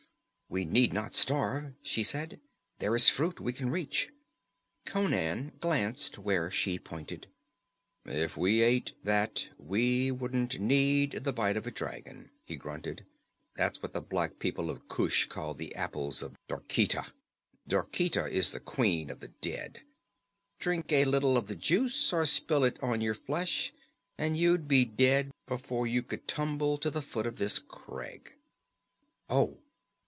"We need not starve," she said. "There is fruit we can reach." Conan glanced where she pointed. "If we ate that we wouldn't need the bite of a dragon," he grunted. "That's what the black people of Kush call the Apples of Derketa. Derketa is the Queen of the Dead. Drink a little of the juice, or spill it on your flesh, and you'd be dead before you could tumble to the foot of this crag." "Oh!"